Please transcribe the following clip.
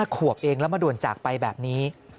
ขวบเองแล้วมาด่วนจากไปแบบนี้